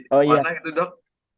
mana itu dok